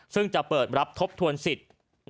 ซึ่งจะเปิดรับทบทวนสิทธิ์